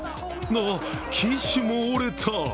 あっ、機首も折れた！